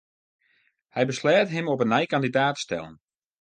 Hy besleat om him op 'e nij kandidaat te stellen.